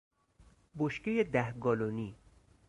بشکهی ده گالنی